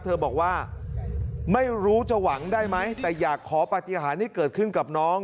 เธอบอกว่าไม่รู้จะหวังได้ไหมแต่อยากขอปฏิหารที่เกิดขึ้นกับน้อง